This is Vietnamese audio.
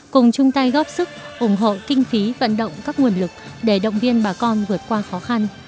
cùng chung tay góp sức ủng hộ kinh phí vận động các nguồn lực để động viên bà con vượt qua khó khăn